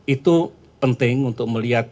itu penting untuk melihat